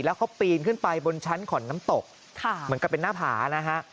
แล้วเขาปีนขึ้นไปบนชั้นขอนน้ำตกเหมือนกับเป็นหน้าผานะฮะ